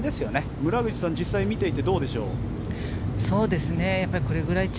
村口さん、実際に見ていてどうでしょう。